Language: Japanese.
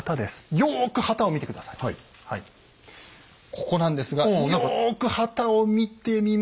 ここなんですがよく旗を見てみますと。